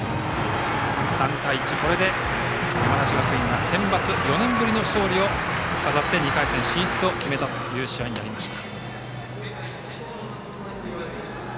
３対１、山梨学院がセンバツ４年ぶりの勝利を飾って、２回戦進出を決めた試合になりました。